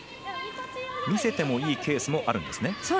見せてもいいケースもあるんですね。